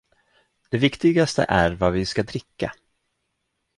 Det viktigaste är, vad vi ska dricka!